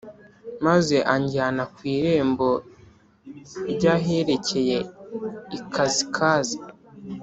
Maze anjyana ku irembo ry aherekeye ikasikazi